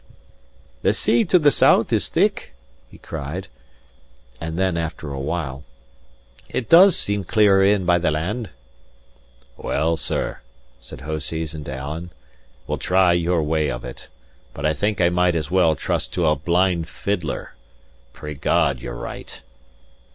"The sea to the south is thick," he cried; and then, after a while, "it does seem clearer in by the land." "Well, sir," said Hoseason to Alan, "we'll try your way of it. But I think I might as well trust to a blind fiddler. Pray God you're right."